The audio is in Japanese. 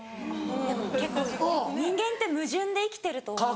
でも結構人間って矛盾で生きてると思うので。